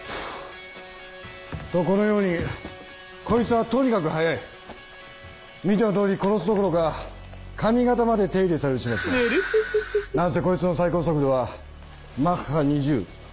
とこのようにこいつはとにかく速い見てのとおり殺すどころか髪形まで手入れされる始末だヌルフフフフなんせこいつの最高速度はマッハ２０